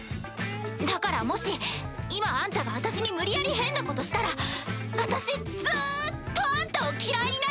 だからもし今あんたが私に無理やり変なことしたら私ずっとあんたを嫌いになる！